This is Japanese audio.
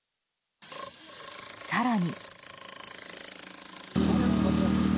更に。